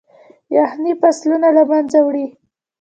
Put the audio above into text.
يخني فصلونه له منځه وړي.